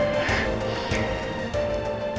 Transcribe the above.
mencari bukti bukti itu